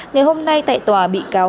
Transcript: ngày hôm nay tại tòa bị cáo